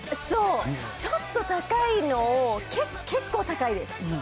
スムージーとか、そう、ちょっと高いのを結構高いです。